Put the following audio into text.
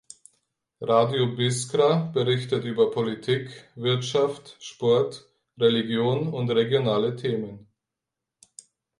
Radio Biskra berichtet über Politik, Wirtschaft, Sport, Religion und regionale Themen.